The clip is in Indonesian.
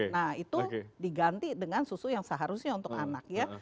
nah itu diganti dengan susu yang seharusnya untuk anak ya